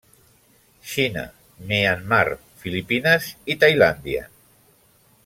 Xina, Myanmar, Filipines i Tailàndia.